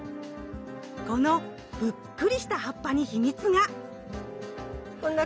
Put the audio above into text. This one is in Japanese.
このぷっくりした葉っぱに秘密が。